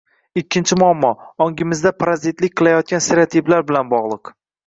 Ikkinchi muammo, ongimizda parazitlik qilayotgan stereotiplar bilan bog`liq